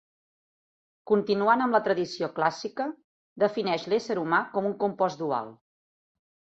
Continuant amb la tradició clàssica, defineix l'ésser humà com un compost dual.